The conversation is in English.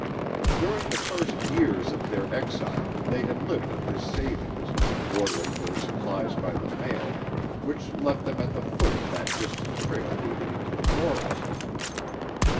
During the first years of their exile they had lived on his savings, ordering their supplies by the mail, which left them at the foot of that distant trail leading into the forest.